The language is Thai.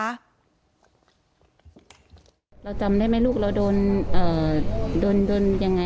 เดินทางนี้เขาก็เลยนะ